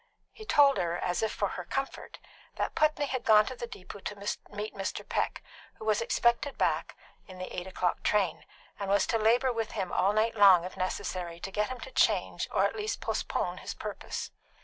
He told her, as if for her comfort, that Putney had gone to the depot to meet Mr. Peck, who was expected back in the eight o'clock train, and was to labour with him all night long if necessary to get him to change, or at least postpone, his purpose.